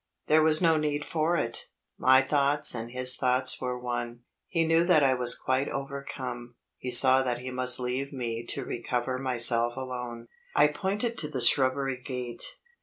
There was no need for it; my thoughts and his thoughts were one he knew that I was quite overcome; he saw that he must leave me to recover myself alone. I pointed to the shrubbery gate.